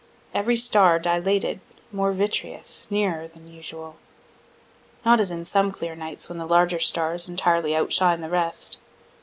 Every star dilated, more vitreous, nearer than usual. Not as in some clear nights when the larger stars entirely outshine the rest.